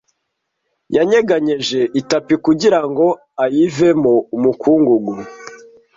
Yanyeganyeje itapi kugirango ayivemo umukungugu.